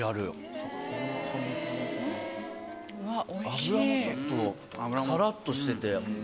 脂もちょっとサラっとしてて。